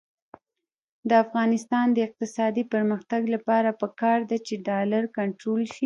د افغانستان د اقتصادي پرمختګ لپاره پکار ده چې ډالر کنټرول شي.